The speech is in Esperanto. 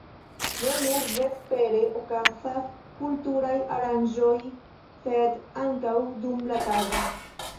Ne nur vespere okazas kulturaj aranĝoj, sed ankaŭ dum la tago.